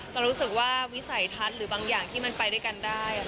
เรารู้สึกว่าวิสัยทัศน์หรือบางอย่างที่มันไปด้วยกันได้